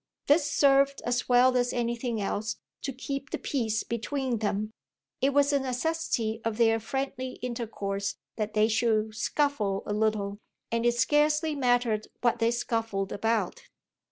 This served as well as anything else to keep the peace between them; it was a necessity of their friendly intercourse that they should scuffle a little, and it scarcely mattered what they scuffled about.